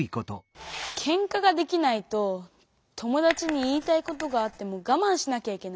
ケンカができないと友だちに言いたいことがあってもがまんしなきゃいけない。